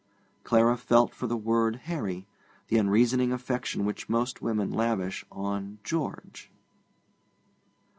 Clara felt for the word 'Harry' the unreasoning affection which most women lavish on 'George.'